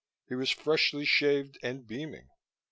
He was freshly shaved and beaming.